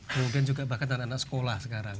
kemudian juga bahkan anak anak sekolah sekarang